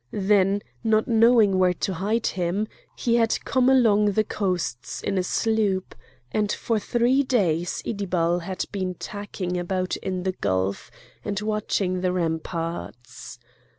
Then, not knowing where to hide him, he had come along the coasts in a sloop, and for three days Iddibal had been tacking about in the gulf and watching the ramparts.